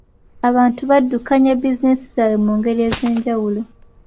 Abantu baddukanya bizinensi zaabwe mu ngeri ez'enjawulo.